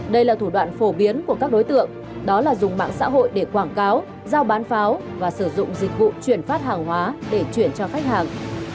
đây là thủ đoạn phổ biến của các đối tượng đó là dùng mạng xã hội để quảng cáo giao bán pháo và sử dụng dịch vụ chuyển phát hàng hóa để chuyển cho khách hàng